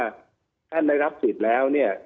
ถ้าท่านได้รับสิทธิ์แล้ว